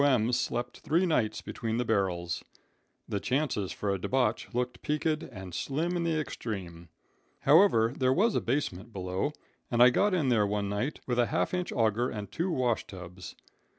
M. slept three nights between the barrels. The chances for a debauch looked peaked and slim in the extreme. However, there was a basement below, and I got in there one night with a half inch auger, and two wash tubs.